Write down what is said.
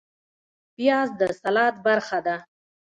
پیاز د سلاد برخه ده